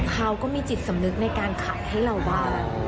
เขาก็มีจิตสำนึกในการขายให้เราบ้าง